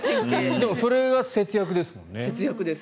でもそれが節約ですもんね。